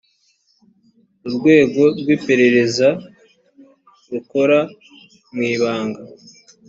urwego rw’iperereza rukora mwibanga.